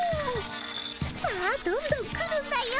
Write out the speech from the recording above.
さあどんどん来るんだよ。